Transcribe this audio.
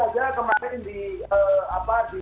ya sudah saja dan lagi lagi sekarang masih